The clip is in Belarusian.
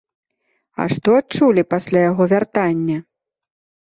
А што адчулі пасля яго вяртання?